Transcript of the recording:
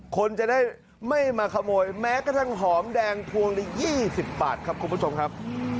คนจะได้ไม่มาขโมยแม้กระทั่งหอมแดงพวงละ๒๐บาทครับคุณผู้ชมครับ